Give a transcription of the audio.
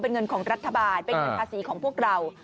เป็นเงินของรัฐบาลเป็นเงินภาษีของพวกเรา